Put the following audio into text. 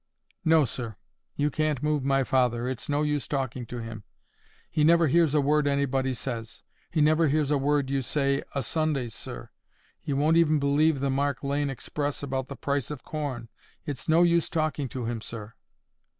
"No, sir. You can't move my father. It's no use talking to him. He never hears a word anybody says. He never hears a word you say o' Sundays, sir. He won't even believe the Mark Lane Express about the price of corn. It's no use talking to him, sir."